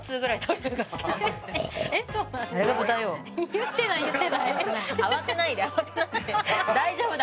言うてない、言うてない。